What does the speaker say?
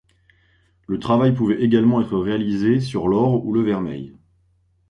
Le travail pouvait également être réalisé sur l'or ou le vermeil.